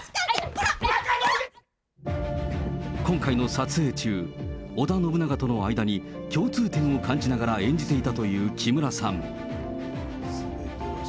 今回の撮影中、織田信長との間に、共通点を感じながら演じていたという木村さん。